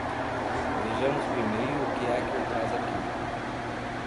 Vejamos primeiro o que é que o traz aqui.